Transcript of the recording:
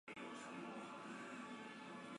他的最后一个职位是俄罗斯联邦政府副总理。